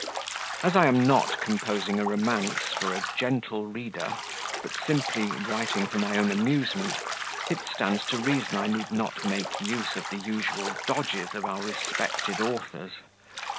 As I am not composing a romance for a gentle reader, but simply writing for my own amusement, it stands to reason I need not make use of the usual dodges of our respected authors.